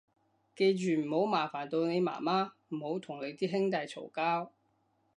記住唔好麻煩到你媽媽，唔好同你啲兄弟嘈交